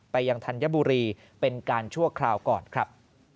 ยังธัญบุรีเป็นการชั่วคราวก่อนครับ